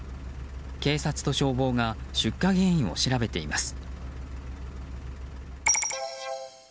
警察と消防が出火原因を調べています。